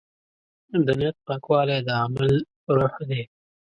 د نیت پاکوالی د عمل روح دی.